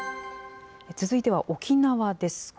続いては沖縄です。